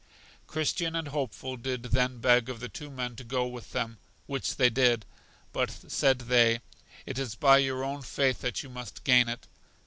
Christian and Hopeful did then beg of the two men to go with them; which they did. But, said they, It is by your own faith that you must gain it.